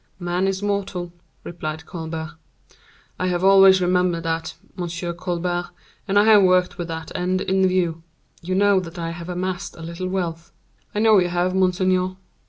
"Man is mortal," replied Colbert. "I have always remembered that, M. Colbert, and I have worked with that end in view. You know that I have amassed a little wealth." "I know you have, monseigneur."